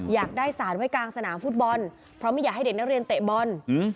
อยากได้สารไว้กลางสนามฟุตบอลเพราะไม่อยากให้เด็กนักเรียนเตะบอล